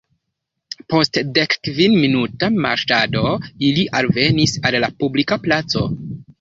Post dekkvinminuta marŝado ili alvenis al la publika placo.